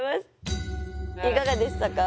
いかがでしたか？